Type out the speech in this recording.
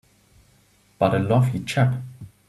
But a lovely chap!